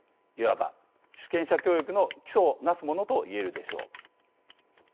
いわば主権者教育の基礎を成すものといえるでしょう。